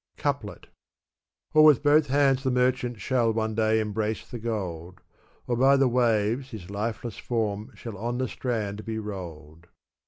Couple/. Or with both hands the merchant shall one day embrace the gold ; Or by the waves his lifeless form shall on the strand be rolled."